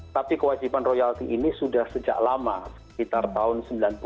tapi kewajiban royalti ini sudah sejak lama sekitar tahun seribu sembilan ratus sembilan puluh